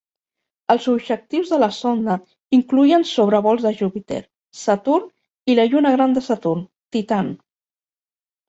Els objectius de la sonda incloïen sobrevols de Júpiter, Saturn i la lluna gran de Saturn, Titan.